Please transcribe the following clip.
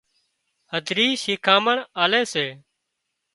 هڌرِي شيکامڻِ آلي سي